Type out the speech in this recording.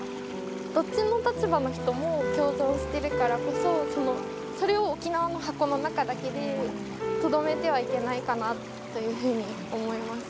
どっちの立場の人も共存しているからこそ、それを沖縄の箱の中だけでとどめてはいけないかなというふうに思います。